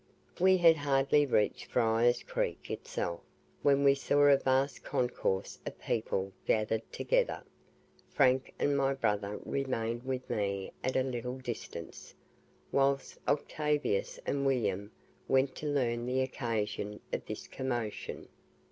We had hardly reached Fryer's Creek itself when we saw a vast concourse of people gathered together. Frank and my brother remained with me at a little distance, whilst Octavius and William went to learn the occasion of this commotion.